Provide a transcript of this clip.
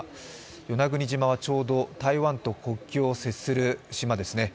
与那国島はちょうど台湾と国境を接する島ですね。